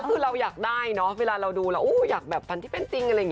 แล้วคือเราอยากได้เนาะเวลาเราดูอยากฟันที่เป็นจริงอะไรเงี้ย